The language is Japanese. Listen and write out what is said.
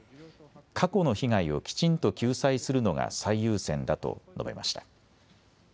過去の被害をきちんと救済するのが最優先だと述べました。